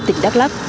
tỉnh đắk lắk